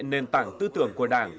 nền tảng tư tưởng của đảng